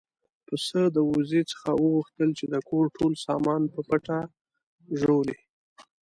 پسه د وزې څخه وغوښتل چې د کور ټول سامان په پټه ژوولی.